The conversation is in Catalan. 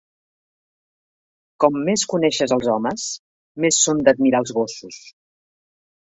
Com més coneixes els homes, més són d'admirar els gossos.